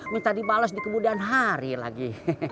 minta dibalas di kemudian hari lagi